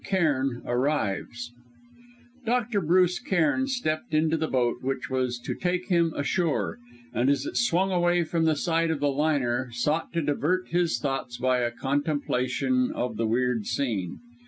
CAIRN ARRIVES Dr. Bruce Cairn stepped into the boat which was to take him ashore, and as it swung away from the side of the liner sought to divert his thoughts by a contemplation of the weird scene.